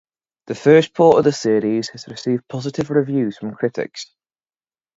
The first part of the series has received positive reviews from critics.